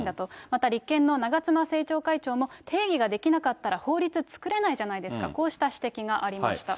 また立憲の長妻政調会長も、定義ができなかったら法律作れないじゃないですか、こうした指摘がありました。